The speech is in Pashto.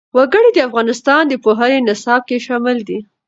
وګړي د افغانستان د پوهنې نصاب کې شامل دي.